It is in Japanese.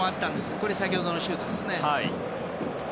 これは先ほどのシュートですね。